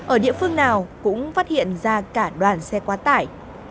ở địa phương nào cũng phát hiện ra cả đoàn xe quá tải